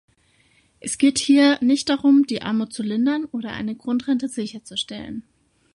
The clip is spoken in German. Es geht hier nicht darum, die Armut zu lindern oder eine Grundrente sicherzustellen.